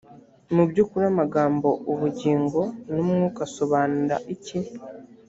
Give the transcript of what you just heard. mu by’ ukuri amagambo ubugingo n’ umwuka asobanura iki ?